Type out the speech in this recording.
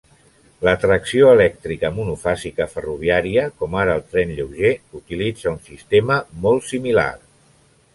La tracció elèctrica monofàsica ferroviària, com ara el tren lleuger, utilitza un sistema molt similar.